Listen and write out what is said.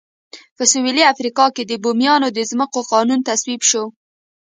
په سوېلي افریقا کې د بومیانو د ځمکو قانون تصویب شو.